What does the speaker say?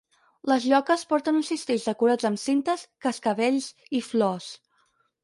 Les lloques porten uns cistells decorats amb cintes, cascavells i flors.